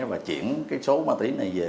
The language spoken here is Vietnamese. và chuyển cái số ma túy này về